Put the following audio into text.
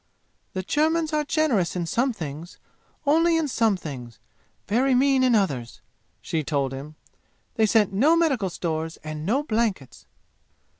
"The Germans are generous in some things only in some things very mean in others!" she told him. "They sent no medical stores, and no blankets!"